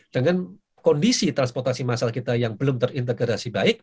dengan kondisi transportasi masal kita yang belum terintegrasi baik